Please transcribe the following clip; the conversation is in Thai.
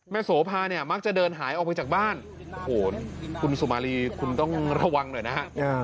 โสภาเนี่ยมักจะเดินหายออกไปจากบ้านโอ้โหคุณสุมารีคุณต้องระวังหน่อยนะฮะ